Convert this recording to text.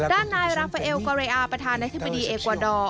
ด้านนายราฟาเอลกอเรอาประธานาธิบดีเอกวาดอร์